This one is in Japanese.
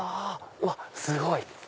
うわっすごい！